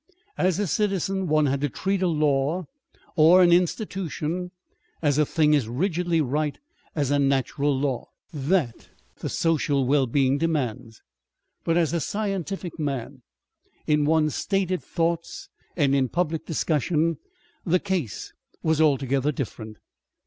As a citizen, one had to treat a law or an institution as a thing as rigidly right as a natural law. That the social well being demands. But as a scientific man, in one's stated thoughts and in public discussion, the case was altogether different.